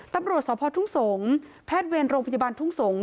ต้นประโหลสอบพอร์ททุ่งสงศ์แพทย์เวียนโรงพยาบาลทุ่งสงศ์